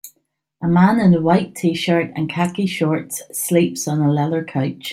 A man in a white tshirt and khaki shorts sleeps on a leather couch